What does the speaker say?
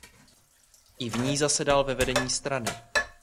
I v ní zasedal ve vedení strany.